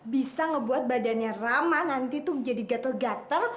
bisa ngebuat badannya ramah nanti tuh menjadi gatel gatel